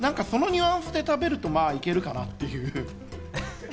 そのニュアンスで食べると、まぁ、いけるかなっていう。